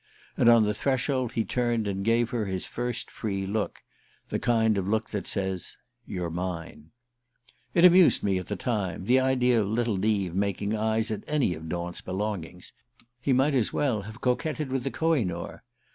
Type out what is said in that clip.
And on the threshold he turned and gave her his first free look the kind of look that says: "You're mine." It amused me at the time the idea of little Neave making eyes at any of Daunt's belongings. He might as well have coquetted with the Kohinoor.